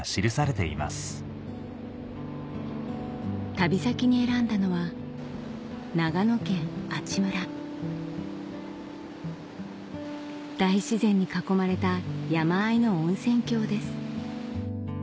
旅先に選んだのは長野県阿智村大自然に囲まれた山あいの温泉郷です